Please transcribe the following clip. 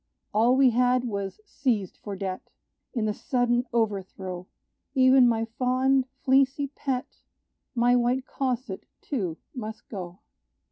All we had was seized for debt: In the sudden overthrow, Even my fond, fleecy pet, My white cosset, too, must go.